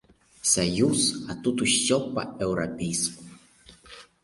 Саюз, а тут усё па-еўрапейску.